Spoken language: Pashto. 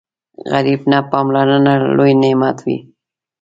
غریب ته پاملرنه لوی نعمت وي